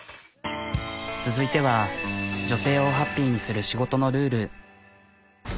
続いては女性をハッピーにする仕事のルール。